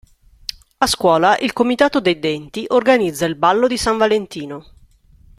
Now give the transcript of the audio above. A scuola il Comitato dei denti organizza il ballo di San Valentino.